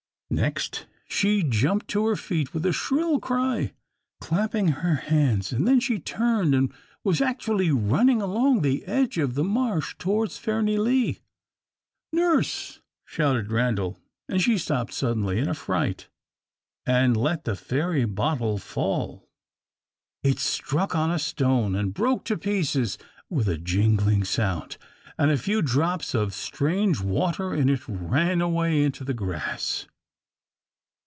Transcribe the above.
Next she jumped to her feet with a shrill cry, clapping her hands; and then she turned, and was actually running along the edge of the marsh, towards Fairnilee. "Nurse!" shouted Randal, and she stopped suddenly, in a fright, and let the fairy bottle fall. It struck on a stone, and broke to pieces with a jingling sound, and the few drops of strange water in it ran away into the grass.